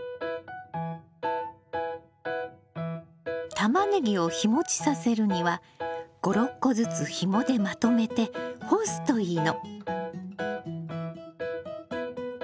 タマネギを日もちさせるには５６個ずつひもでまとめて干すといいの。